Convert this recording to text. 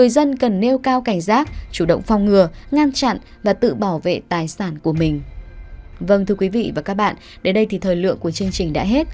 vâng thưa quý vị và các bạn đến đây thì thời lượng của chương trình đã hết